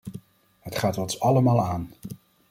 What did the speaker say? Het gaat ons allemaal aan.